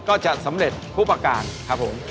ก็จะสำเร็จผู้ประการครับผม